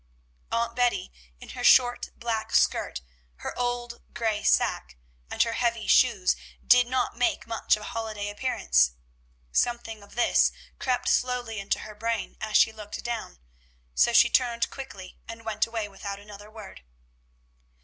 Aunt Betty, in her short black skirt, her old gray sack, and her heavy shoes, did not make much of a holiday appearance. Something of this crept slowly into her brain as she looked down, so she turned quickly, and went away without another word.